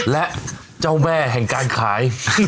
และเจ้าแม่แห่งการขาย